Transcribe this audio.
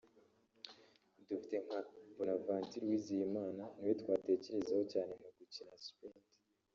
Dufite nka Bonaventure Uwizeyimana niwe twatekerezaho cyane mu gukina ‘Sprint’